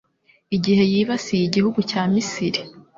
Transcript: igihe yibasiye igihugu cya Misiri